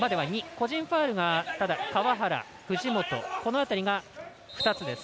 個人ファウルがただ川原、藤本この辺りが２つです。